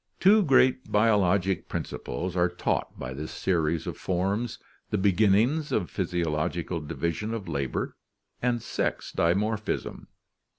— Two great biologic principles are taught by this series of forms: the beginnings of physiological divi sion of labor, and sex dimorphism.